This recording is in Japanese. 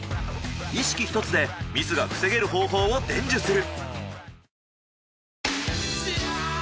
意識１つでミスが防げる方法を伝授する。